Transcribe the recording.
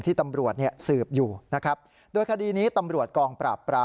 ที่ตำรวจเนี้ยสืบอยู่นะครับด้วยคดีนี้ตำรวจกองปราบ